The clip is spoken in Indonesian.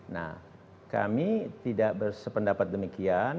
nah kami tidak bersependapat demikian